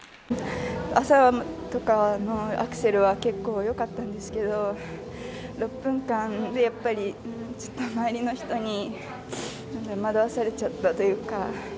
朝とかのアクセルは結構よかったんですけど６分間でやっぱり周りの人に惑わされちゃったというか。